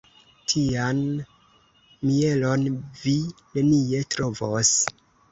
Tian mielon vi nenie trovos.